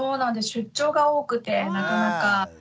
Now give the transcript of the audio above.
出張が多くてなかなかはい。